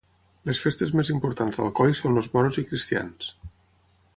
Les festes més importants d'Alcoi són els moros i cristians